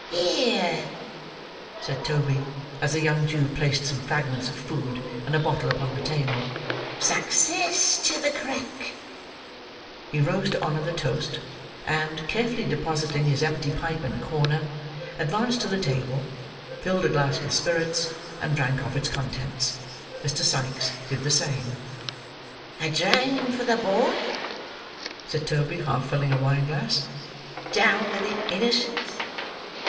"Here," said Toby, as the young Jew placed some fragments of food, and a bottle upon the table, "Success to the crack!" He rose to honour the toast; and, carefully depositing his empty pipe in a corner, advanced to the table, filled a glass with spirits, and drank off its contents. Mr. Sikes did the same. "A drain for the boy," said Toby, half filling a wine glass. "Down with it, innocence."